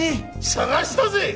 探したぜ！